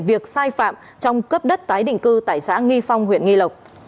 việc sai phạm trong cấp đất tái định cư tại xã nghi phong huyện nghi lộc